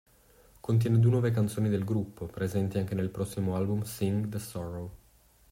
Contiene due nuove canzoni del gruppo, presenti anche nel prossimo album Sing the Sorrow.